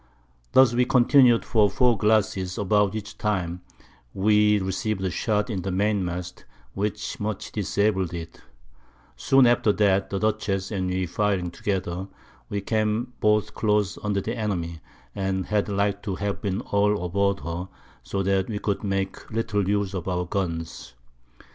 Thus we continued for 4 Glasses, about which time we received a Shot in the Main Mast, which much disabled it; soon after that the Dutchess and we firing together, we came both close under the Enemy and had like to have been all aboard her, so that we could make little use of our Guns.